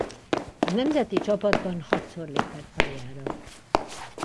A nemzeti csapatban hatszor lépett pályára.